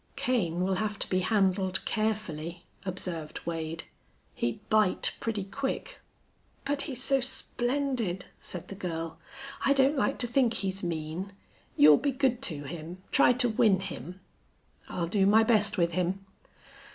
"Kane will have to be handled carefully," observed Wade. "He'd bite pretty quick." "But, he's so splendid," said the girl. "I don't like to think he's mean. You'll be good to him try to win him?" "I'll do my best with him."